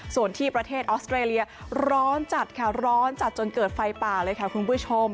ส่วนที่ประเทศออสเตรเลียร้อนจัดค่ะร้อนจัดจนเกิดไฟป่าเลยค่ะคุณผู้ชม